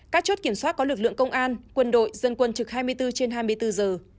các chốt kiểm soát có lực lượng công an quân đội dân quân trực hai mươi bốn trên hai mươi bốn giờ